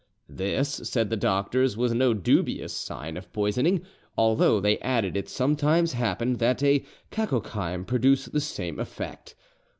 This, said the doctors; was no dubious sign of poisoning; although, they added, it sometimes happened that a 'cacochyme' produced the same effect.